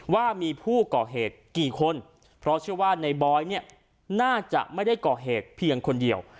ว่ามีผู้ก่อเหตุกี่คนเพราะเชื่อว่าในบอยเนี่ยน่าจะไม่ได้ก่อเหตุเพียงคนเดียว